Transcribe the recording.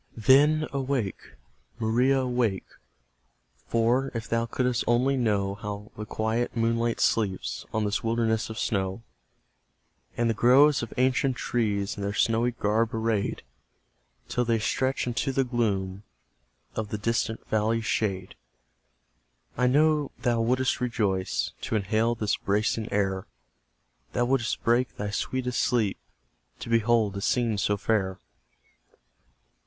Then, awake! Maria, wake! For, if thou couldst only know How the quiet moonlight sleeps On this wilderness of snow, And the groves of ancient trees, In their snowy garb arrayed, Till they stretch into the gloom Of the distant valley's shade; I know thou wouldst rejoice To inhale this bracing air; Thou wouldst break thy sweetest sleep To behold a scene so fair.